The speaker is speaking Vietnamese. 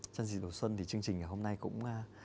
trong dịp đầu xuân thì chương trình ngày hôm nay cũng